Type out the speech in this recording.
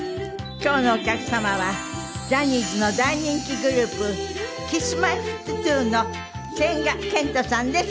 今日のお客様はジャニーズの大人気グループＫｉｓ−Ｍｙ−Ｆｔ２の千賀健永さんです。